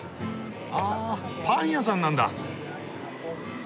あパン屋さんなんだ。